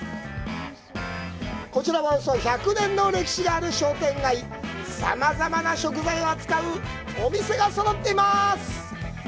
こちらはおよそ１００年の歴史がある商店街でさまざまな食材を扱うお店がそろっています。